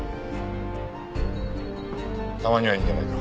たまにはいいんじゃないか？